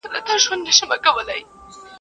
اوبه د سر د خوا خړېږي.